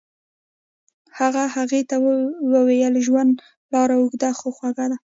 هغه هغې ته وویل ژوند لاره اوږده خو خوږه ده.